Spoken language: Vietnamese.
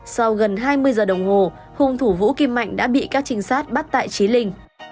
sau gần hai mươi giờ đồng hồ hung thủ vũ kim mạnh đã bị các trinh sát bắt tại trí linh